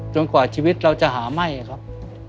กว่าชีวิตเราจะหาไหม้ครับ